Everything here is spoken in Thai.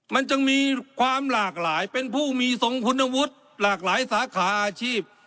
มันจึงมีความหลากหลายเป็นผู้มีทรงคุณวุฒิหลากหลายสาขาอาชีพ